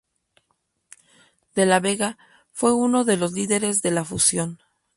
De la Vega fue uno de los líderes de la fusión.